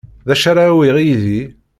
D acu ara awiɣ yid-i.